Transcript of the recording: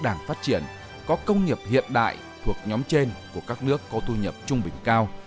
các đảng phát triển có công nghiệp hiện đại thuộc nhóm trên của các nước có thu nhập trung bình cao